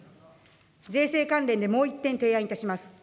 税制関連でもう１点、提案いたします。